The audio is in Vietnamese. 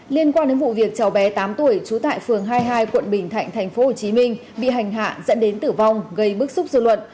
liên quan đến vụ việc cháu bé tám tuổi trú tại phường hai mươi hai quận bình thạnh tp hcm bị hành hạ dẫn đến tử vong gây bức xúc dư luận